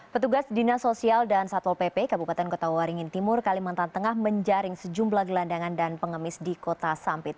petugas dinas sosial dan satpol pp kabupaten kota waringin timur kalimantan tengah menjaring sejumlah gelandangan dan pengemis di kota sampit